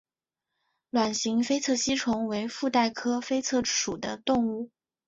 卵形菲策吸虫为腹袋科菲策属的动物。